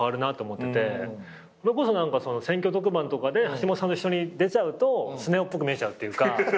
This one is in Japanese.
それこそ選挙特番とかで橋下さんと一緒に出ちゃうとスネ夫っぽく見えちゃうっていうか。